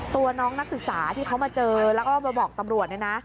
ตัวน้องนักศึกษาที่เขามาเจอแล้วก็มาบอกตำรวจเนี่ยนะ